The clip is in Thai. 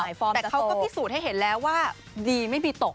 แต่เขาก็พิสูจน์ให้เห็นแล้วว่าดีไม่มีตก